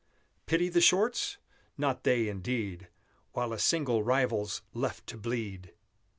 Pity the shorts? Not they, indeed, While a single rival's left to bleed!